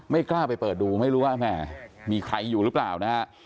กล้าไปเปิดดูไม่รู้ว่าแหมมีใครอยู่หรือเปล่านะฮะ